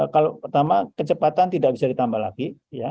kalau pertama kecepatan tidak bisa ditambah lagi